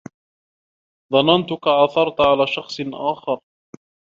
ظننتك عثرت على شخص آخر.